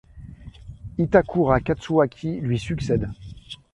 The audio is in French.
Itakura Katsuaki lui succède.